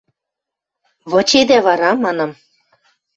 Вычедӓ вара? – манам.